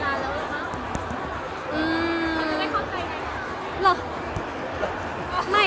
เขาจะได้เข้าใจไหม